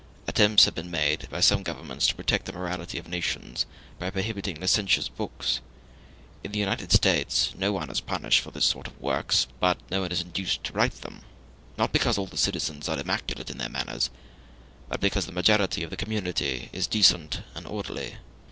Attempts have been made by some governments to protect the morality of nations by prohibiting licentious books. In the United States no one is punished for this sort of works, but no one is induced to write them; not because all the citizens are immaculate in their manners, but because the majority of the community is decent and orderly.